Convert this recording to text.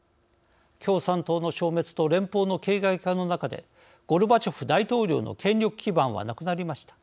共産党の消滅と連邦の形骸化の中でゴルバチョフ大統領の権力基盤はなくなりました。